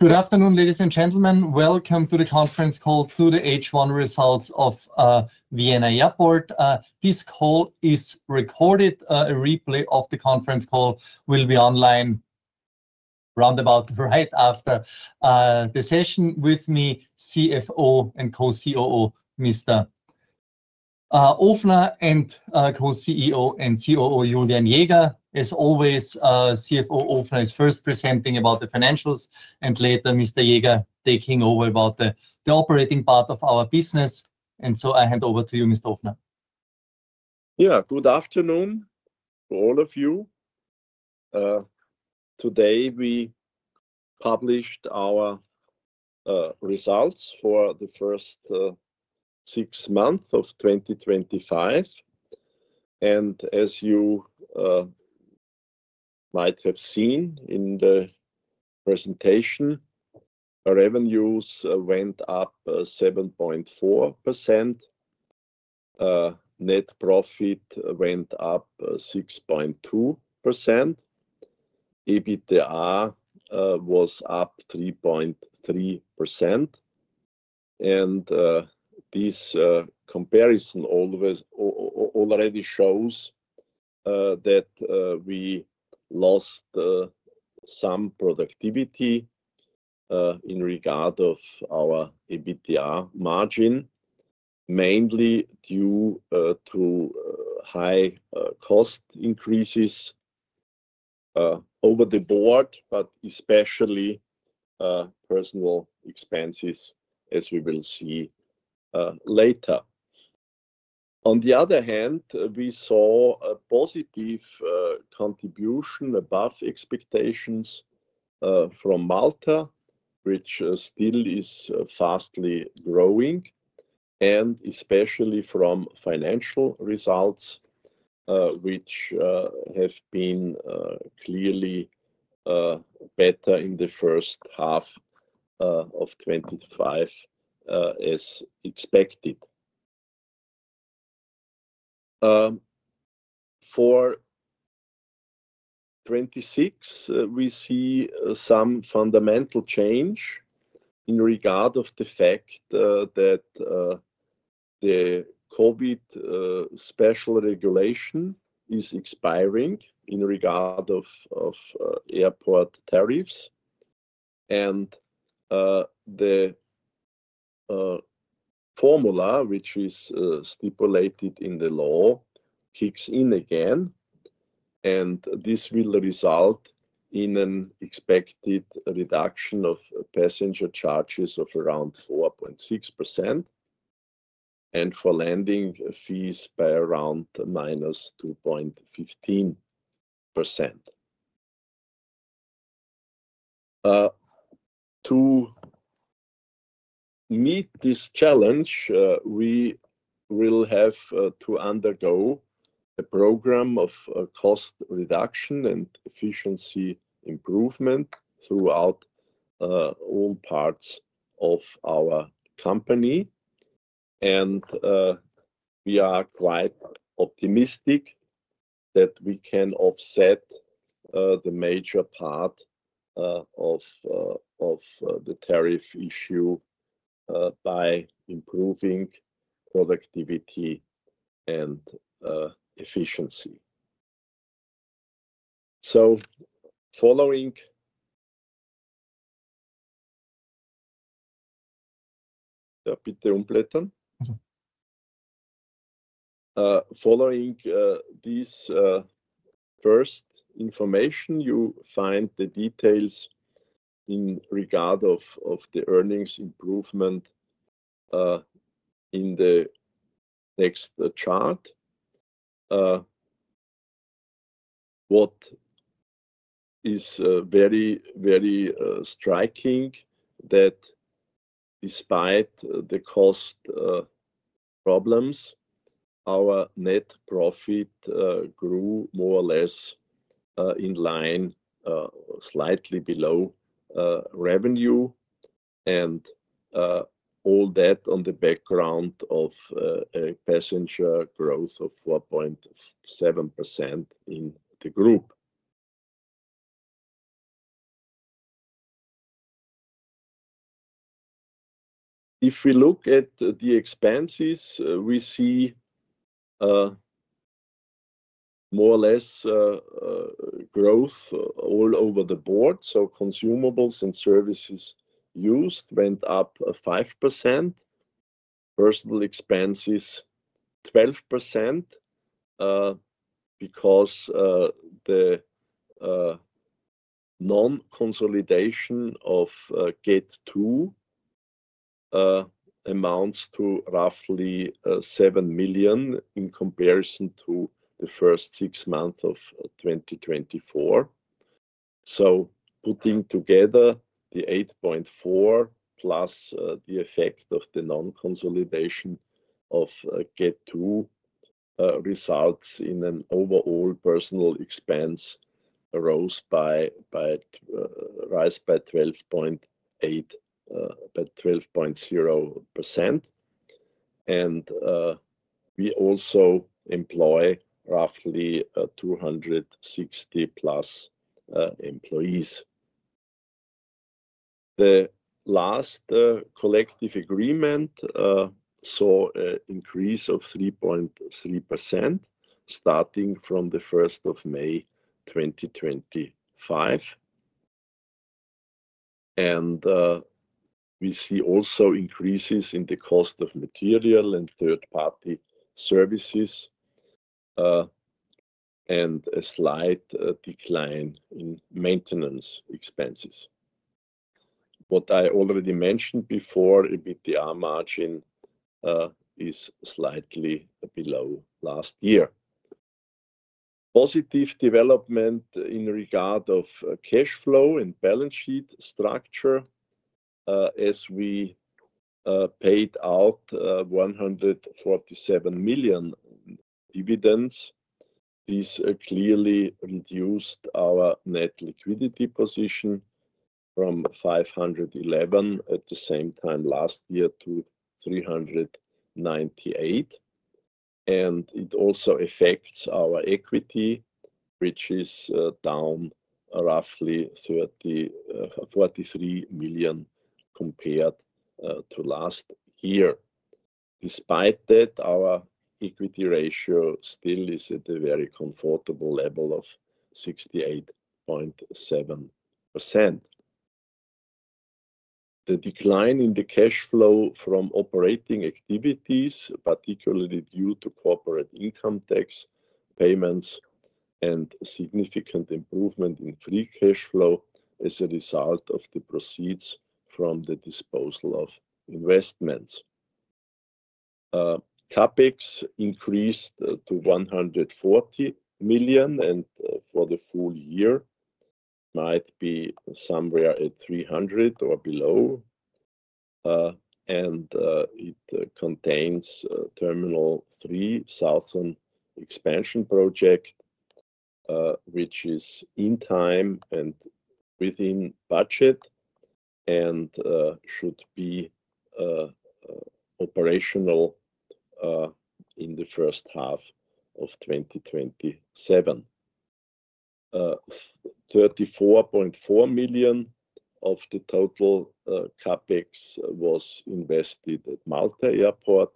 Good afternoon, ladies and gentlemen. Welcome to the conference call for the first-half results of Vienna Airport. This call is recorded, and a replay will be available online shortly after the session. Joining me today are CFO and Co-COO Mr. Guenther Ofner (Günther Ofner) and Co-CEO and COO Mr. Julian Jäger. As usual, Mr. Ofner will begin with the financial results, followed by Mr. Jäger, who will discuss the operational performance. Good afternoon everyone. Today we published our results for the first six months of 2025. As shown in the presentation, revenue increased by 7.4%, net profit by 6.2%, and EBITDA by 3.3%. This comparison indicates a slight loss in productivity regarding our EBITDA margin, mainly due to significant cost increases across the board, especially in personnel expenses, which I’ll address later. On the positive side, Malta performed above expectations and continues to grow rapidly. Financial results also exceeded expectations in the first half of 2025. Looking ahead to 2026, we expect a fundamental change as the COVID special regulation for airport tariffs expires and the statutory formula comes back into effect. This change will lead to an expected reduction in passenger charges of about 4.6% and landing fees by roughly 2.15%. To address this, we will implement a company-wide program focused on cost reduction and efficiency improvement. We’re confident that we can offset most of the impact from lower tariffs through higher productivity and greater efficiency. Please turn the page. Following this, the next chart shows the earnings improvement. Despite cost pressures, net profit grew slightly below revenue, on the background of 4.7% passenger growth. Expenses increased across the board: consumables and services up 5%, personnel expenses up 12% due to non-consolidation of Gate 2 (~$7 million). Combining this with $8.4 million gives an overall 12% rise. The company employs over 260 staff, and the latest collective agreement increased salaries by 3.3% starting May 1, 2025. Costs for materials and third-party services increased, while maintenance declined slightly. EBITDA margin is slightly below last year. Net liquidity fell from $511 million to $398 million due to $147 million in dividends. Equity decreased by ~$43 million, but the equity ratio remains strong at 68.7%. Decline in operating cash flow was mainly due to corporate income tax, while free cash flow improved from investment disposals. CapEx rose to $140 million, with full-year projections around $300 million or below. Terminal 3 Southern Expansion is on time, within budget, and expected operational by H1 2027. $34.4 million of CapEx went to Malta International Airport,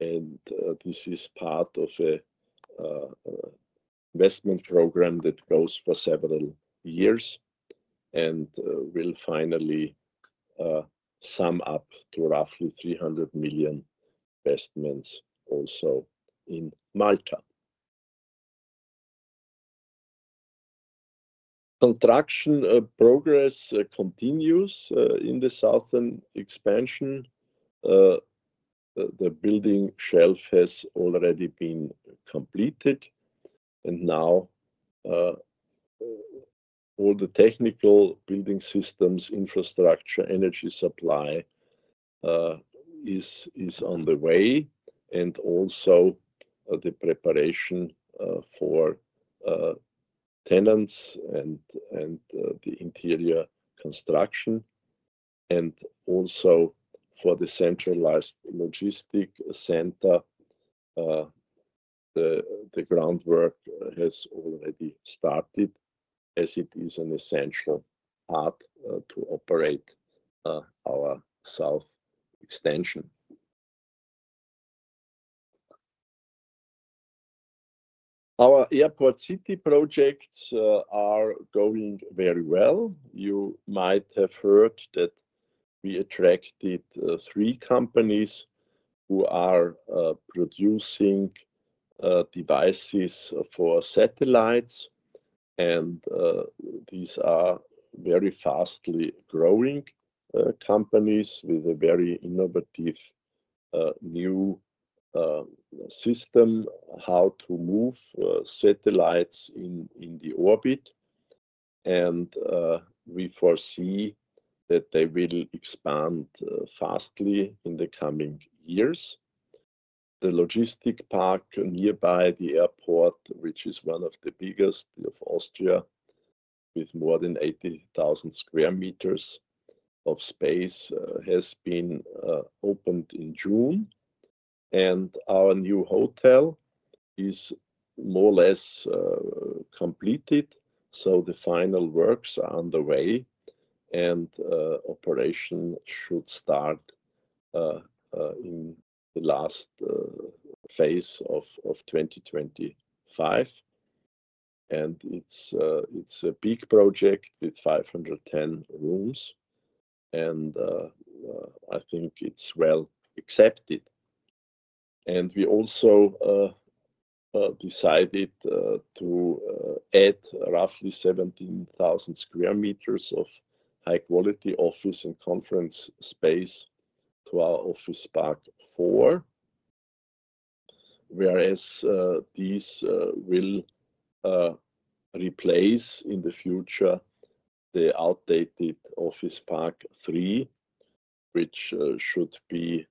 part of a multi-year $300 million investment program. Southern Expansion construction is ongoing: building shell complete, technical systems and infrastructure underway, interior prep and tenant setup in progress. Groundwork for the centralized logistics center (Centralized Logistics Center) has started. Airport city (Airport City) city projects are progressing well, including attracting three satellite device companies. The satellite companies are fast-growing and use innovative systems for orbit operations, expected to expand quickly. The nearby logistics park (80,000+ m²) opened in June. The new 510-room hotel is nearly complete, with final works finishing by late 2025. Approximately 17,000 m² of high-quality office and conference space will be added to Office Park 4, replacing outdated Office Park 3 by 2030.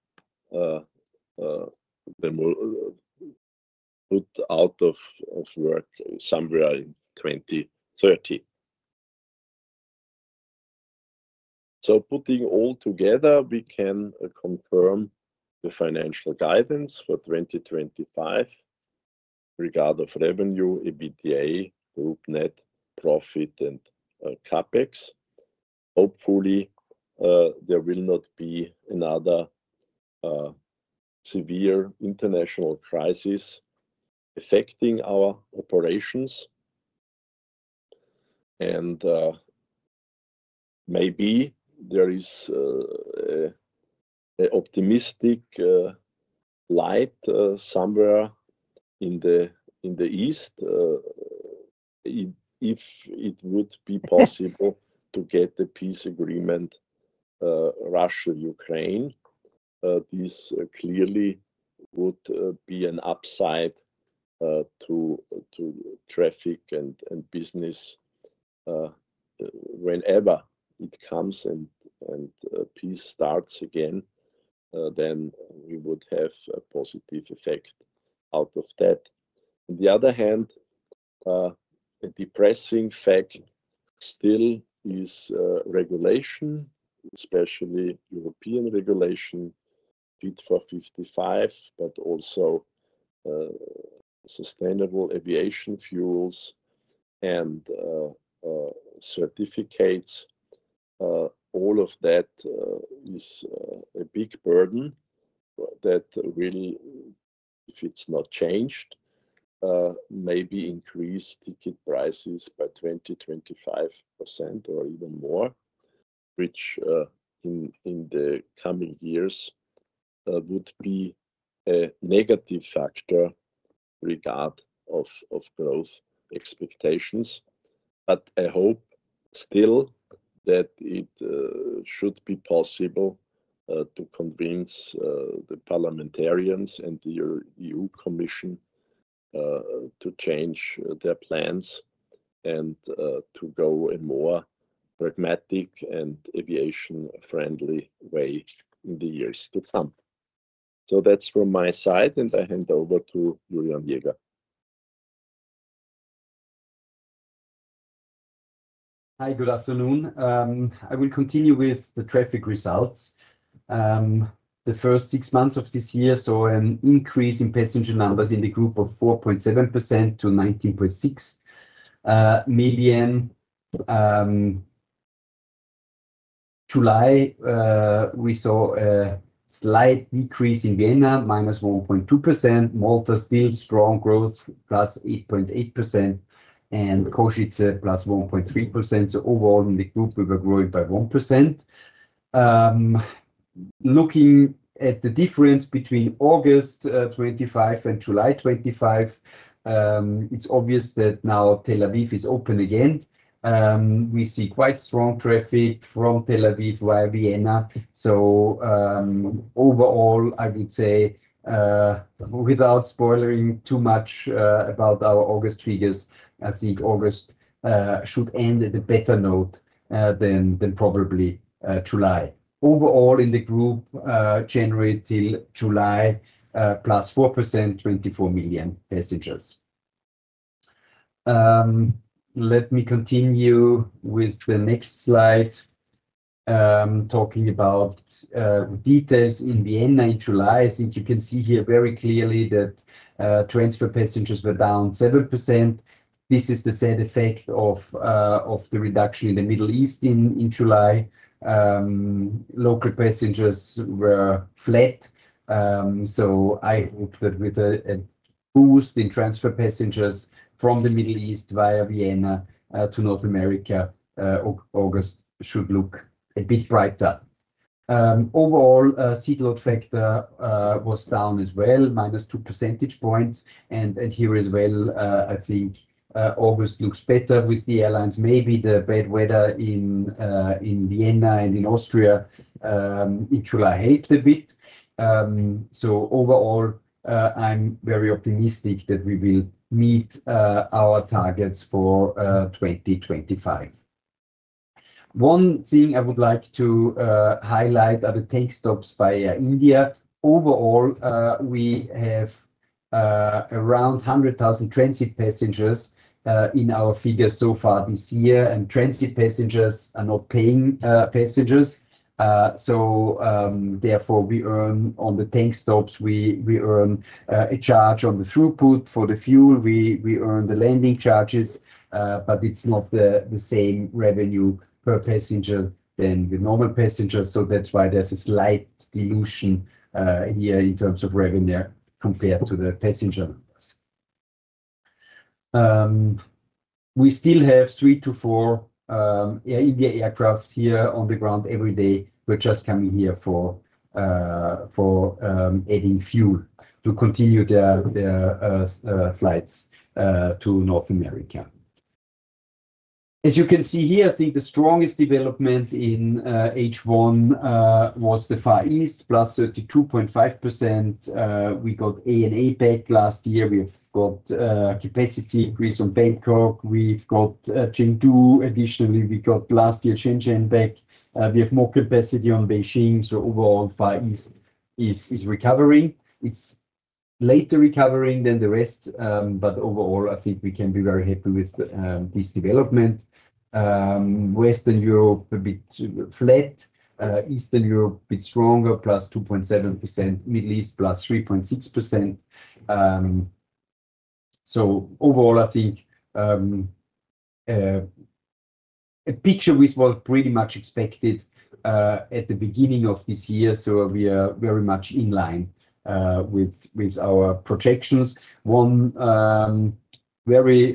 Putting all together, we can confirm the financial guidance for 2025 in regard to revenue, EBITDA, net profit, and CapEx. Hopefully, there will not be another severe international crisis affecting our operations. Maybe there is an optimistic light somewhere in the east if it would be possible to get a peace agreement, Russia-Ukraine. This clearly would be an upside to traffic and business whenever it comes and peace starts again. We would have a positive effect out of that. On the other hand, a depressing fact still is regulation, especially European regulation, Fit for 55, but also sustainable aviation fuels (Sustainable Aviation Fuels) and certificates. All of that is a big burden that really, if it's not changed, maybe increase ticket prices by 25% or even more, which in the coming years would be a negative factor in regard to growth expectations. I hope still that it should be possible to convince the parliamentarians and the EU Commission to change their plans and to go a more pragmatic and aviation-friendly way in the years to come. That's from my side. I hand over to Julian Jäger. I hope still that it should be possible to convince the parliamentarians and the EU Commission to change their plans and to go a more pragmatic and aviation-friendly way in the years to come. That's from my side. I hand over to Julian Jäger. Hi. Good afternoon. I will continue with the traffic results. The first six months of this year saw an increase in passenger numbers in the group of 4.7% to 19.6 million. In July, we saw a slight decrease in Vienna, minus 1.2%. Malta still strong growth, plus 8.8%, and Košice plus 1.3%. Overall in the group, we were growing by 1%. Looking at the difference between August 2025 and July 2025, it's obvious that now Tel Aviv is open again. We see quite strong traffic from Tel Aviv via Vienna. Overall, I would say, without spoiling too much about our August figures, I think August should end at a better note than probably July. Overall in the group, January till July, plus 4%, 24 million passengers. Let me continue with the next slide, talking about details in Vienna in July. I think you can see here very clearly that transfer passengers were down 7%. This is the side effect of the reduction in the Middle East in July. Local passengers were flat. I hope that with a boost in transfer passengers from the Middle East via Vienna to North America, August should look a bit brighter. Overall, seat load factor (Seat Load Factor) was down as well, minus 2 percentage points. ... One thing I would like to highlight are the tank stops (Tank Stops) by India. Overall, we have around 100,000 transit passengers (Transit Passengers) in our figures so far this year. Transit passengers are not paying passengers. Therefore, we earn on the tank stops (Tank Stops), we earn a charge on the throughput for the fuel. We earn the landing charges, but it's not the same revenue per passenger as the normal passengers. That's why there's a slight dilution in here in terms of revenue compared to the passenger numbers. We still have three to four Air India aircraft here on the ground every day who are just coming here for adding fuel to continue their flights to North America. As you can see here, I think the strongest development in H1 was the Far East, plus 32.5%. We got ANA back last year. We've got capacity increase on Bangkok. We've got Chengdu. Additionally, we got last year Shenzhen back. We have more capacity on Beijing. Overall, Far East is recovering. It's later recovering than the rest. Overall, I think we can be very happy with this development. Western Europe, a bit flat. Eastern Europe, a bit stronger, plus 2.7%. Middle East, plus 3.6%. Overall, I think a picture with what's pretty much expected at the beginning of this year. We are very much in line with our projections. One very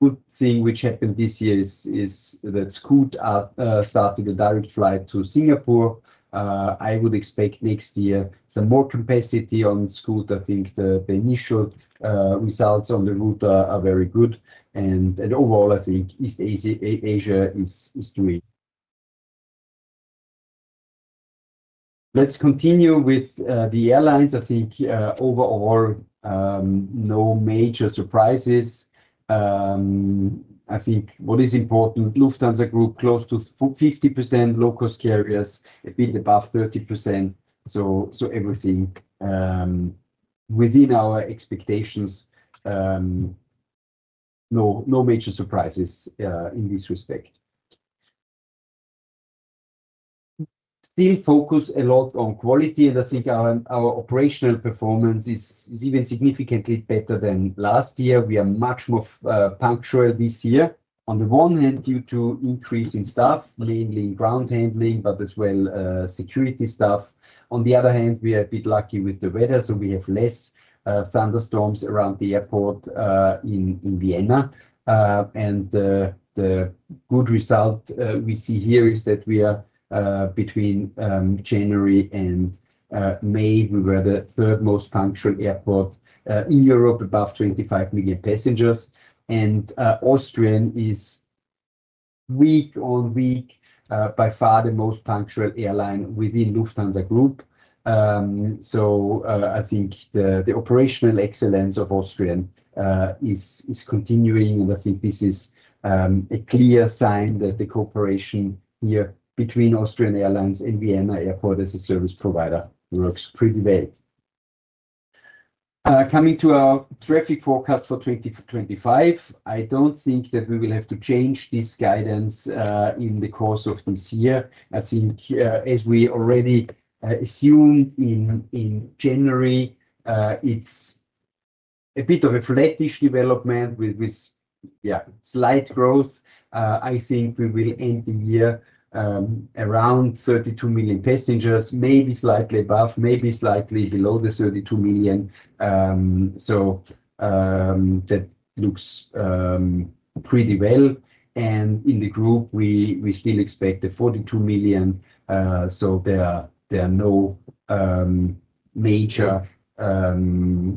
good thing which happened this year is that Scoot started a direct flight to Singapore. I would expect next year some more capacity on Scoot. I think the initial results on the route are very good. Overall, I think East Asia is doing. Let's continue with the airlines. I think overall, no major surprises. What is important, Lufthansa Group, close to 50%, low-cost carriers, a bit above 30%. Everything within our expectations. No major surprises in this respect. Still focus a lot on quality. I think our operational performance is even significantly better than last year. We are much more punctual this year. On the one hand, due to increasing staff, mainly in ground handling, but as well security staff. On the other hand, we are a bit lucky with the weather. We have less thunderstorms around the airport in Vienna. The good result we see here is that between January and May, we were the third most punctual airport in Europe, above 25 million passengers. Austrian is week on week, by far the most punctual airline within Lufthansa Group. I think the operational excellence of Austrian is continuing. This is a clear sign that the cooperation here between Austrian Airlines and Vienna Airport as a service provider works pretty well. Coming to our traffic forecast for 2025, I don't think that we will have to change this guidance in the course of this year. As we already assumed in January, it's a bit of a flatish development with slight growth. I think we will end the year around 32 million passengers, maybe slightly above, maybe slightly below the 32 million. That looks pretty well. In the group, we still expect the 42 million. There are no major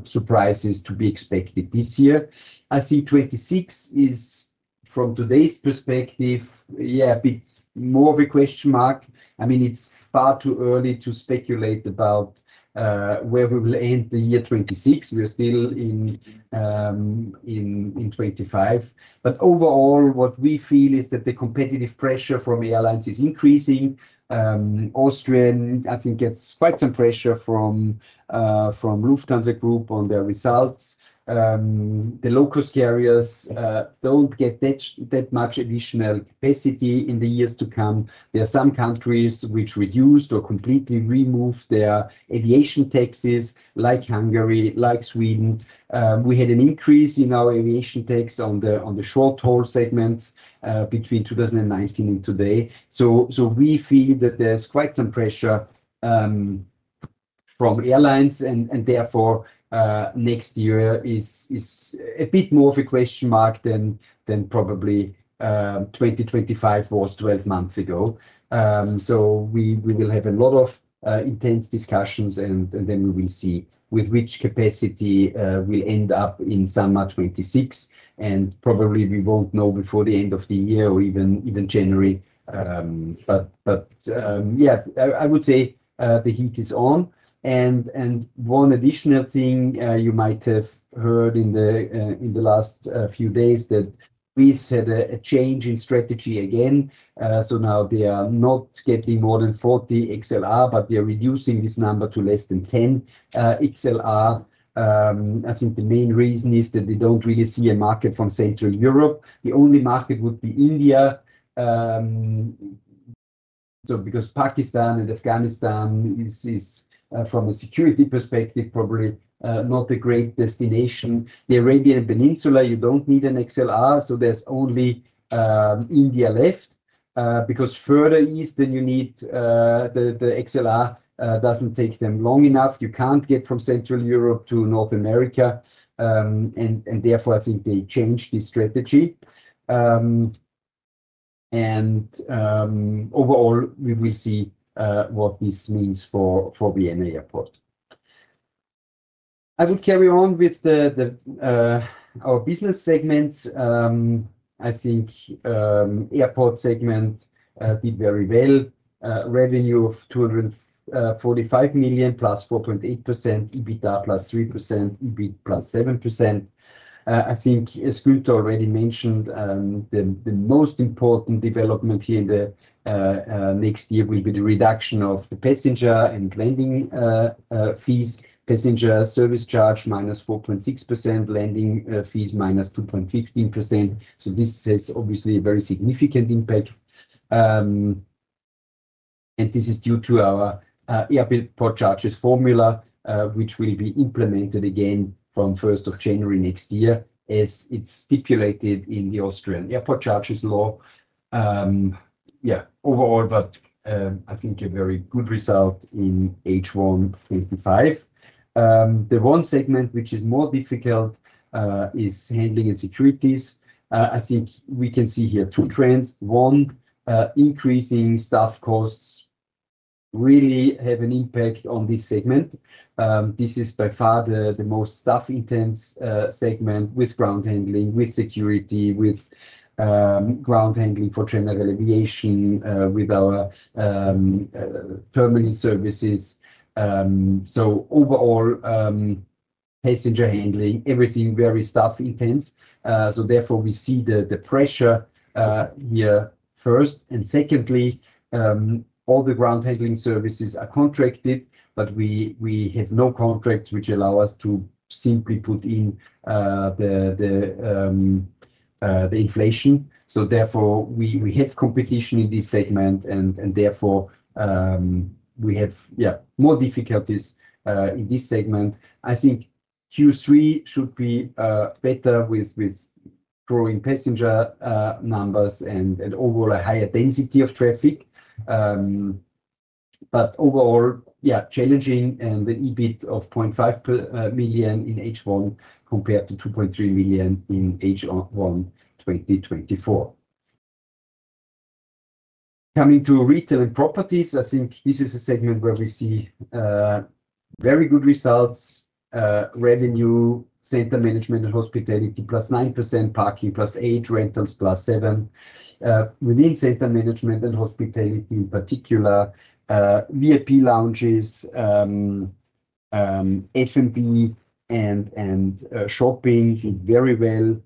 surprises to be expected this year. I see 2026 is, from today's perspective, a bit more of a question mark. It's far too early to speculate about where we will end the year 2026. We are still in 2025. Overall, what we feel is that the competitive pressure from airlines is increasing. Austrian, I think, gets quite some pressure from Lufthansa Group on their results. The low-cost carriers don't get that much additional capacity in the years to come. There are some countries which reduced or completely removed their aviation taxes, like Hungary, like Sweden. We had an increase in our aviation tax on the short-haul segments between 2019 and today. We feel that there's quite some pressure from airlines. Therefore, next year is a bit more of a question mark than probably 2025 was 12 months ago. We will have a lot of intense discussions, and then we will see with which capacity we'll end up in summer 2026. Probably we won't know before the end of the year or even January. I would say the heat is on. One additional thing you might have heard in the last few days is that we've had a change in strategy again. Now they are not getting more than 40 XLR, but they are reducing this number to less than 10 XLR. I think the main reason is that they don't really see a market from Central Europe. The only market would be India, because Pakistan and Afghanistan are, from a security perspective, probably not a great destination. The Arabian Peninsula, you don't need an XLR. There's only India left, because further east, then you need the XLR doesn't take them long enough. You can't get from Central Europe to North America. Therefore, I think they changed this strategy. Overall, we will see what this means for Vienna Airport. I will carry on with our business segments. I think the airport segment did very well. Revenue of €245 million, plus 4.8%, EBITDA plus 3%, EBITDA plus 7%. I think, as Flughafen Wien AG already mentioned, the most important development here in the next year will be the reduction of the passenger and landing fees. Passenger service charge minus 4.6%, landing fees minus 2.15%. This has obviously a very significant impact, and this is due to our airport charges formula, which will be implemented again from January 1 next year as it's stipulated in the Austrian airport charges law. Overall, I think a very good result in H1 2025. The one segment which is more difficult is handling and securities. I think we can see here two trends. One, increasing staff costs really have an impact on this segment. This is by far the most staff-intense segment with ground handling, with security, with ground handling for general aviation, with our terminal services. Overall, passenger handling, everything very staff-intense. Therefore, we see the pressure here first. Secondly, all the ground handling services are contracted, but we have no contracts which allow us to simply put in the inflation. Therefore, we have competition in this segment. Therefore, we have more difficulties in this segment. I think Q3 should be better with growing passenger numbers and overall a higher density of traffic. Overall, challenging and the EBITDA of $0.5 million in H1 compared to $2.3 million in H1 2024. Coming to retail and properties, I think this is a segment where we see very good results. Revenue, center management and hospitality plus 9%, parking plus 8%, rentals plus 7%. Within center management and hospitality in particular, VIP lounges, F&B, and shopping did very well.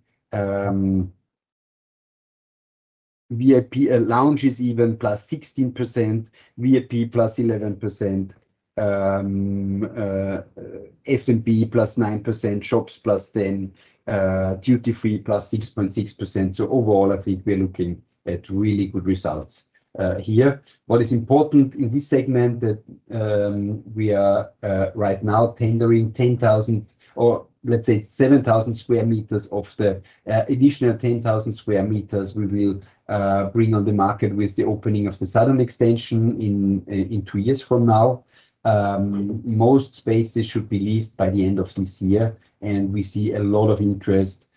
VIP lounges even plus 16%, VIP plus 11%, F&B plus 9%, shops plus 10%, duty-free plus 6.6%. Overall, I think we're looking at really good results here. What is important in this segment is that we are right now tendering 10,000 or let's say 7,000 square meters of the additional 10,000 square meters we will bring on the market with the opening of the southern extension in two years from now. Most spaces should be leased by the end of this year. We see a lot of interest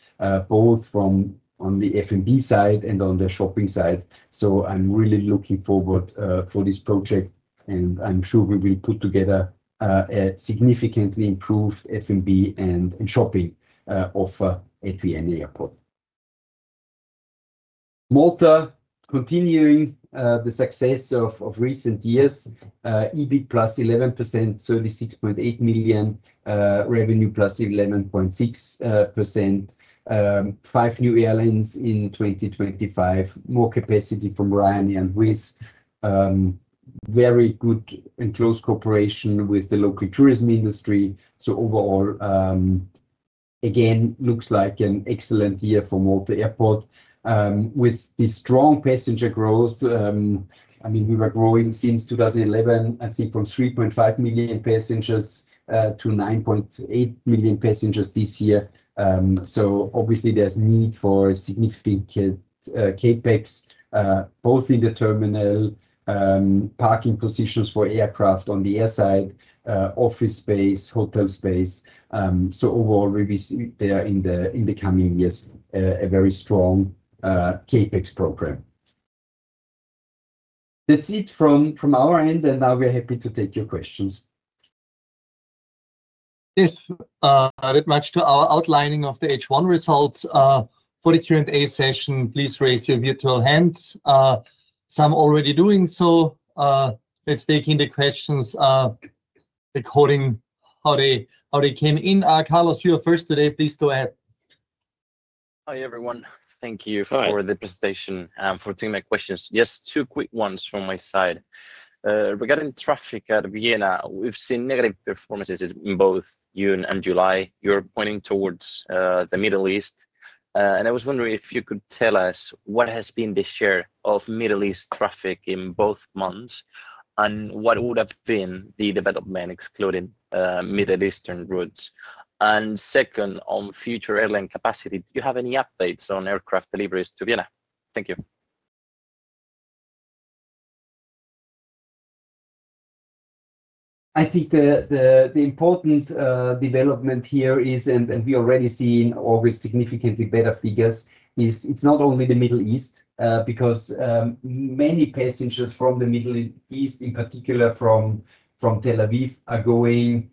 both from the F&B side and on the shopping side. I'm really looking forward to this project. I'm sure we will put together a significantly improved F&B and shopping offer at Vienna Airport. Malta, continuing the success of recent years, EBITDA plus 11%, $36.8 million, revenue plus 11.6%, five new airlines in 2025, more capacity from Ryanair and Wizz, very good and close cooperation with the local tourism industry. Overall, again, looks like an excellent year for Malta International Airport with the strong passenger growth. I mean, we were growing since 2011, I think, from 3.5 million passengers to 9.8 million passengers this year. Obviously, there's a need for significant CapEx both in the terminal, parking positions for aircraft on the airside, office space, hotel space. Overall, we will see there in the coming years a very strong CapEx program. That's it from our end. Now we're happy to take your questions. Yes, a bit much to our outlining of the H1 results. For the Q&A session, please raise your virtual hands. Some are already doing so. Let's take in the questions according to how they came in. Carlos, you're first today. Please go ahead. Hi, everyone. Thank you for the presentation and for taking my questions. Just two quick ones from my side. Regarding traffic at Vienna, we've seen negative performances in both June and July. You're pointing towards the Middle East. I was wondering if you could tell us what has been the share of Middle East traffic in both months and what would have been the development excluding Middle Eastern routes. Second, on future airline capacity, do you have any updates on aircraft deliveries to Vienna? Thank you. I think the important development here is, and we're already seeing always significantly better figures, is it's not only the Middle East because many passengers from the Middle East, in particular from Tel Aviv, are going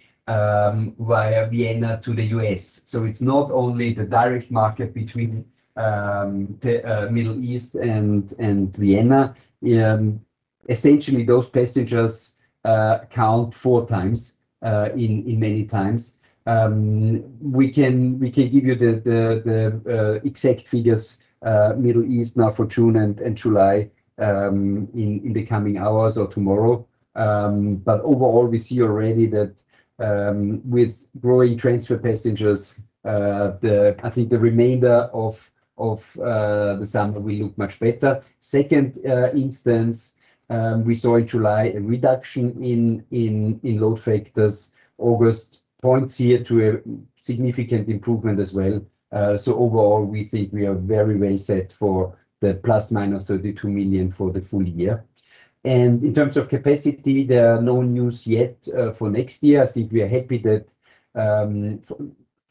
via Vienna to the U.S. It's not only the direct market between the Middle East and Vienna. Essentially, those passengers count four times in many times. We can give you the exact figures for the Middle East now for June and July in the coming hours or tomorrow. Overall, we see already that with growing transfer passengers, I think the remainder of the summer will look much better. In a second instance, we saw in July a reduction in load factors. August points here to a significant improvement as well. Overall, we think we are very well set for that plus minus 32 million for the full year. In terms of capacity, there are no news yet for next year. I think we are happy that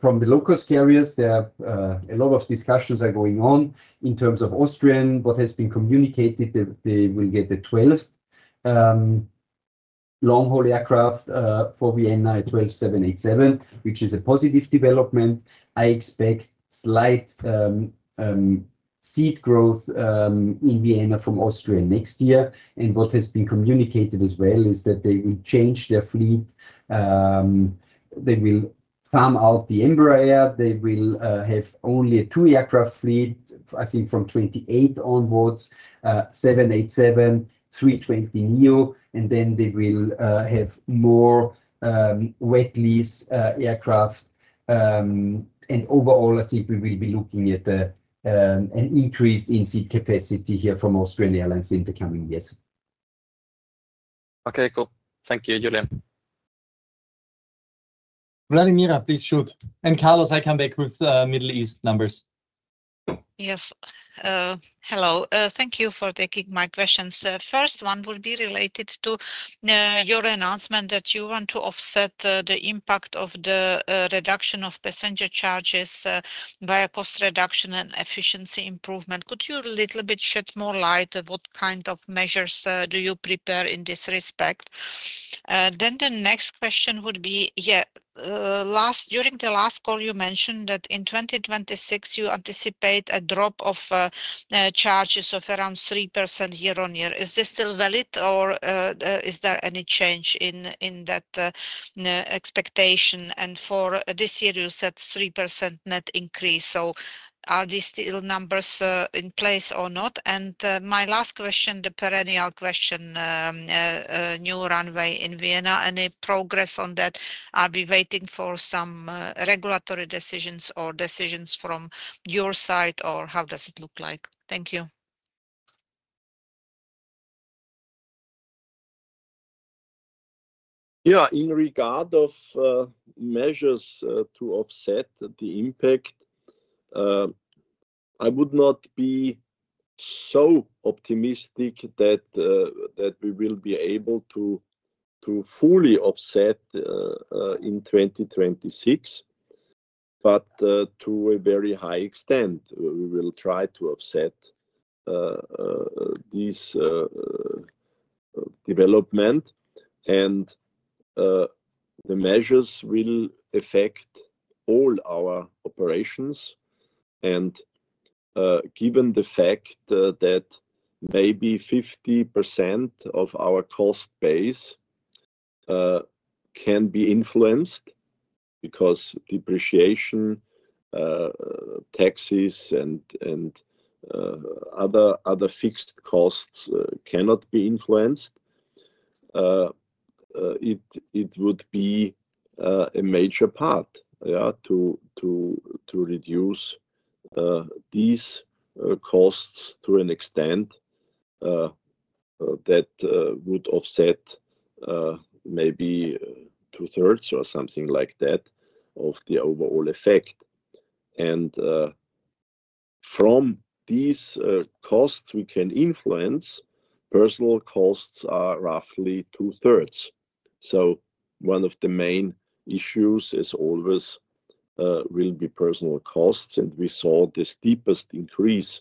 from the low-cost carriers, there are a lot of discussions going on in terms of Austrian. What has been communicated, they will get the 12th long-haul aircraft for Vienna at Range 787, which is a positive development. I expect slight seat growth in Vienna from Austrian next year. What has been communicated as well is that they will change their fleet. They will farm out the Embraer. They will have only a two-year aircraft fleet, I think, from 2028 onwards, 787-320neo. They will have more wet-lease aircraft. Overall, I think we will be looking at an increase in seat capacity here from Austrian airlines in the coming years. Okay. Cool. Thank you, Julian. Vladimira, please shoot. Carlos, I come back with Middle East numbers. Yes. Hello. Thank you for taking my questions. The first one will be related to your announcement that you want to offset the impact of the reduction of passenger charges via cost reduction and efficiency improvement. Could you a little bit shed more light? What kind of measures do you prepare in this respect? The next question would be, during the last call, you mentioned that in 2026, you anticipate a drop of charges of around 3% year on year. Is this still valid, or is there any change in that expectation? For this year, you said 3% net increase. Are these still numbers in place or not? My last question, the perennial question, new runway in Vienna, any progress on that? Are we waiting for some regulatory decisions or decisions from your side, or how does it look like? Thank you. Yeah. In regard of measures to offset the impact, I would not be so optimistic that we will be able to fully offset in 2026. To a very high extent, we will try to offset this development. The measures will affect all our operations. Given the fact that maybe 50% of our cost base can be influenced because depreciation, taxes, and other fixed costs cannot be influenced, it would be a major part to reduce these costs to an extent that would offset maybe two-thirds or something like that of the overall effect. From these costs we can influence, personnel costs are roughly two-thirds. One of the main issues, as always, will be personnel costs. We saw this deepest increase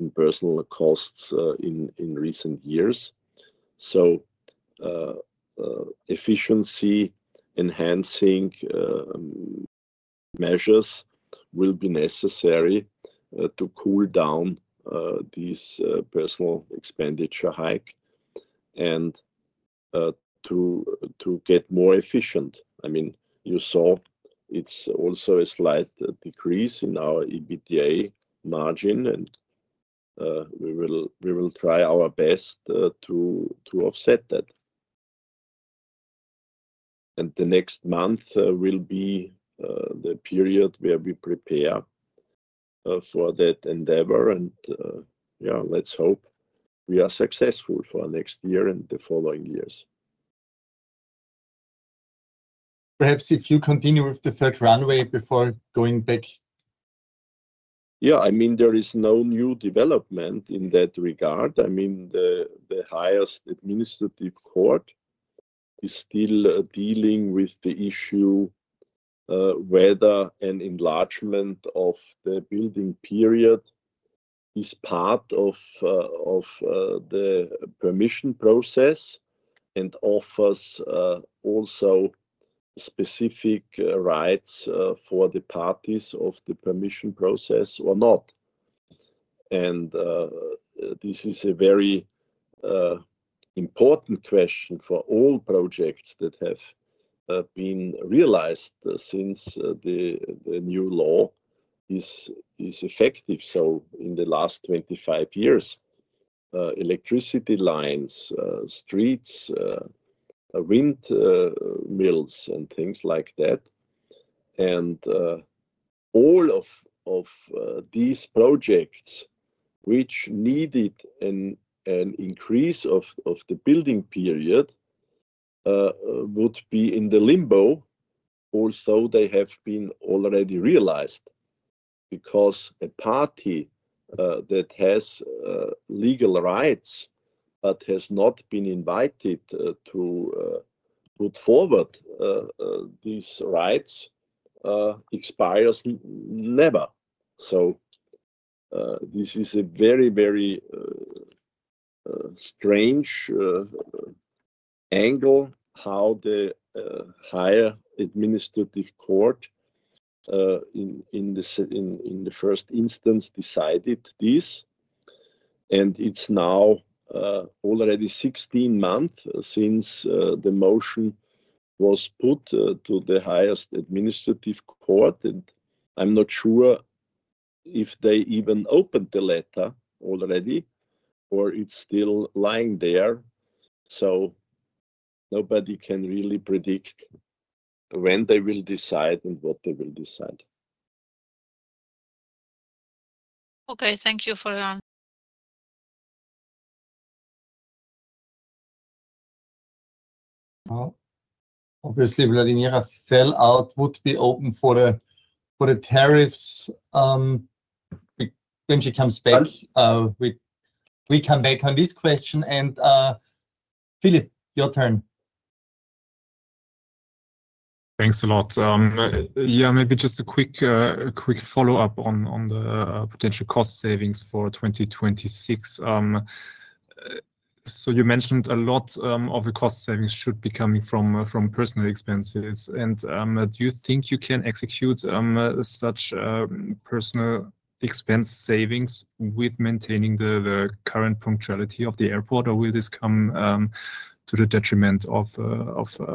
in personnel costs in recent years. Efficiency-enhancing measures will be necessary to cool down this personnel expenditure hike and to get more efficient. I mean, you saw it's also a slight decrease in our EBITDA margin. We will try our best to offset that. The next month will be the period where we prepare for that endeavor. Let's hope we are successful for next year and the following years. Perhaps if you continue with the third runway before going back. Yeah. I mean, there is no new development in that regard. The highest administrative court is still dealing with the issue whether an enlargement of the building period is part of the permission process and offers also specific rights for the parties of the permission process or not. This is a very important question for all projects that have been realized since the new law is effective. In the last 25 years, electricity lines, streets, windmills, and things like that. All of these projects which needed an increase of the building period would be in limbo, although they have been already realized, because a party that has legal rights but has not been invited to put forward these rights expires never. This is a very, very strange angle how the higher administrative court in the first instance decided this. It's now already 16 months since the motion was put to the highest administrative court. I'm not sure if they even opened the letter already or it's still lying there. Nobody can really predict when they will decide and what they will decide. Okay, thank you for that. Obviously, Vladimira fell out. Would be open for the tariffs when she comes back. We come back on this question. Philip, your turn. Thanks a lot. Maybe just a quick follow-up on the potential cost savings for 2026. You mentioned a lot of the cost savings should be coming from personnel expenses. Do you think you can execute such personnel expense savings while maintaining the current punctuality of the airport, or will this come to the detriment of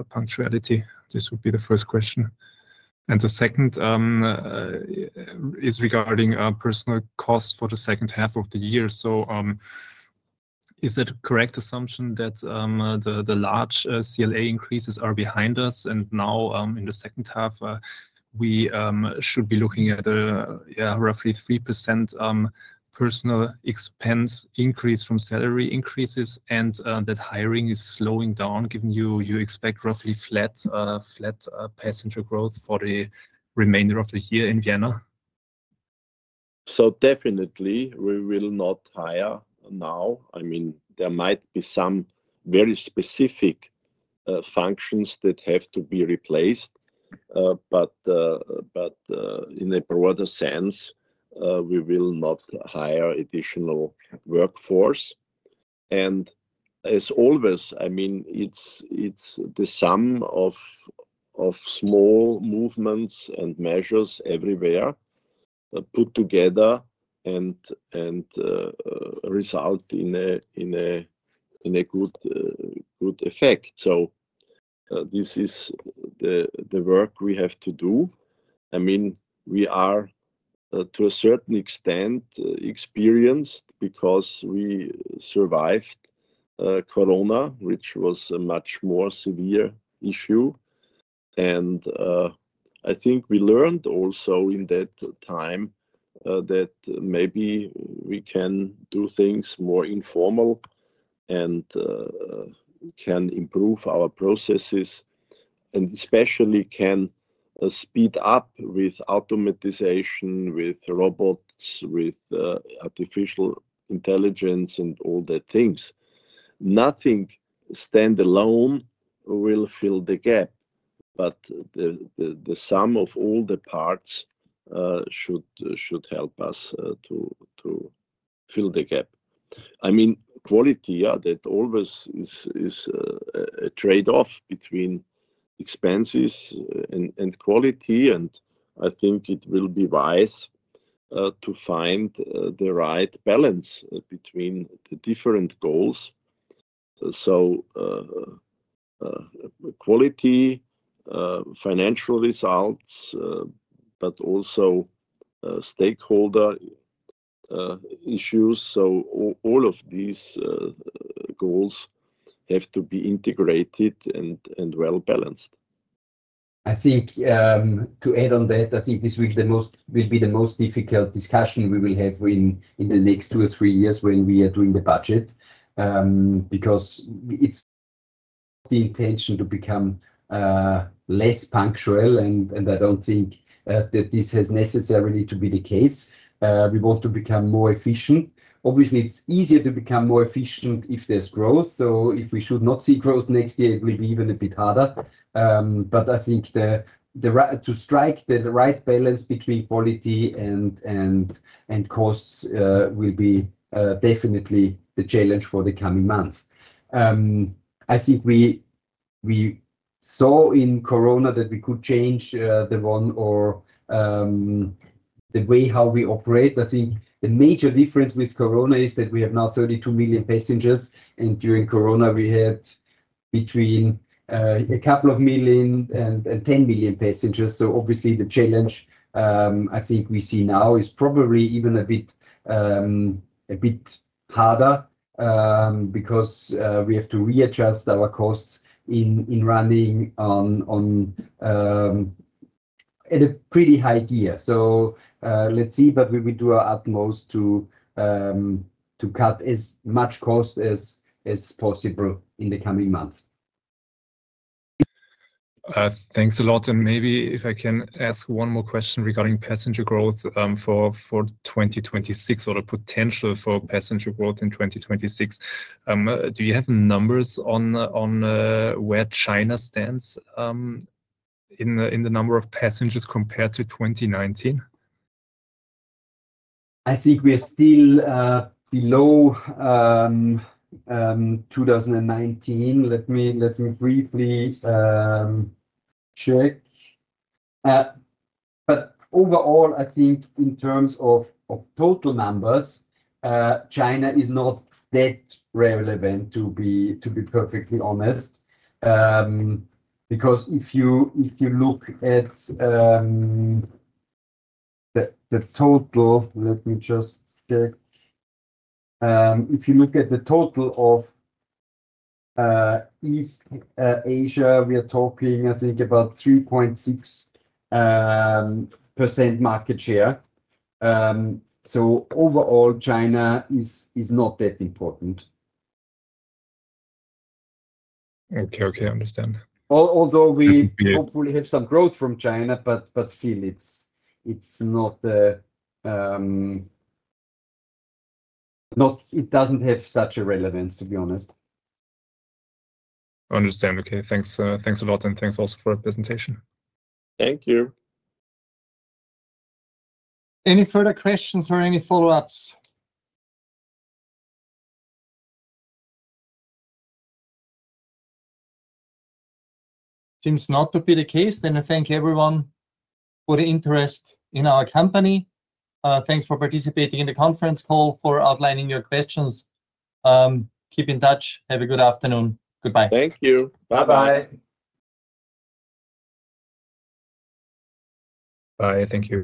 punctuality? This would be the first question. The second is regarding personnel costs for the second half of the year. Is it a correct assumption that the large CLA increases are behind us? Now in the second half, we should be looking at roughly 3% personnel expense increase from salary increases, and that hiring is slowing down, given you expect roughly flat passenger growth for the remainder of the year in Vienna. We will not hire now. There might be some very specific functions that have to be replaced, but in a broader sense, we will not hire additional workforce. It's the sum of small movements and measures everywhere put together that result in a good effect. This is the work we have to do. We are, to a certain extent, experienced because we survived Corona, which was a much more severe issue. I think we learned also in that time that maybe we can do things more informal and can improve our processes and especially can speed up with automatization, with robots, with artificial intelligence, and all the things. Nothing standalone will fill the gap, but the sum of all the parts should help us to fill the gap. Quality, yeah, that always is a trade-off between expenses and quality. I think it will be wise to find the right balance between the different goals: quality, financial results, but also stakeholder issues. All of these goals have to be integrated and well balanced. I think to add on that, I think this will be the most difficult discussion we will have in the next two or three years when we are doing the budget because it's the intention to become less punctual. I don't think that this has necessarily to be the case. We want to become more efficient. Obviously, it's easier to become more efficient if there's growth. If we should not see growth next year, it will be even a bit harder. I think to strike the right balance between quality and costs will be definitely a challenge for the coming months. I think we saw in Corona that we could change the way how we operate. The major difference with Corona is that we have now 32 million passengers. During Corona, we had between a couple of million and 10 million passengers. Obviously, the challenge I think we see now is probably even a bit harder because we have to readjust our costs in running at a pretty high gear. Let's see. We will do our utmost to cut as much cost as possible in the coming months. Thanks a lot. Maybe if I can ask one more question regarding passenger growth for 2026 or the potential for passenger growth in 2026. Do you have numbers on where China stands in the number of passengers compared to 2019? I think we're still below 2019. Let me briefly check. Overall, I think in terms of total numbers, China is not that relevant, to be perfectly honest. If you look at the total, let me just check. If you look at the total of East Asia, we are talking, I think, about 3.6% market share. Overall, China is not that important. Okay. I understand. Although we hopefully have some growth from China, it doesn't have such a relevance, to be honest. I understand. Okay, thanks a lot. Thanks also for the presentation. Thank you. Any further questions or any follow-ups? It seems not to be the case. I thank everyone for the interest in our company. Thanks for participating in the conference call, for outlining your questions. Keep in touch. Have a good afternoon. Goodbye. Thank you. Bye-bye. Bye. Thank you.